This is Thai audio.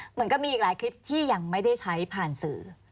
เหมือนกับมีอีกหลายคลิปที่ยังไม่ได้ใช้ผ่านสื่อ